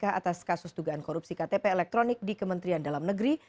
atas kasus dugaan korupsi ktp elektronik di kementerian dalam negeri